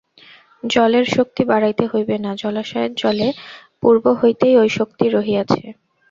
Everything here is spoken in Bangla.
জলের শক্তি বাড়াইতে হইবে না, জলাশয়ের জলে পূর্ব হইতেই ঐ শক্তি রহিয়াছে।